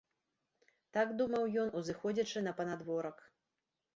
Так думаў ён, узыходзячы на панадворак.